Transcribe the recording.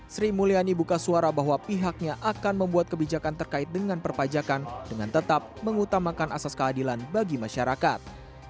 sri mulyani buka suara bahwa pihaknya akan membuat kebijakan terkait dengan perpajakan dengan tetap mengutamakan asas keadilan bagi masyarakat